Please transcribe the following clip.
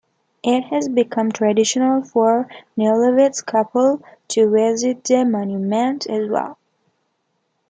It has become traditional for newlywed couples to visit the monument as well.